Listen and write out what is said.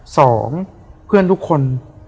สองเพื่อนทุกคน